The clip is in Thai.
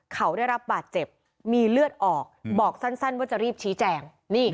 เขาได้รับบาดเจ็บมีเลือดออกบอกสั้นว่าจะรีบชี้แจง